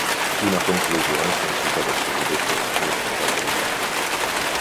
Una conclusione sancita dal cosiddetto Secondo Trattato di Vienna.